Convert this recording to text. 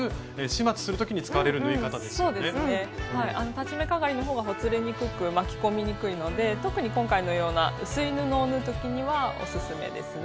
裁ち目かがりの方がほつれにくく巻き込みにくいので特に今回のような薄い布を縫う時にはオススメですね。